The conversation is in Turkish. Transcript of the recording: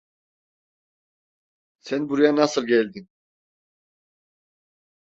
Sen buraya nasıl geldin?